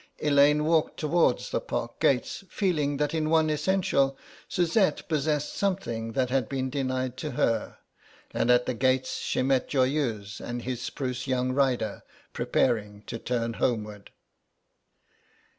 Elaine walked towards the Park gates feeling that in one essential Suzette possessed something that had been denied to her, and at the gates she met Joyeuse and his spruce young rider preparing to turn homeward.